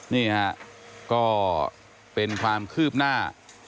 นี่ฮะก็เป็นความคืบหน้า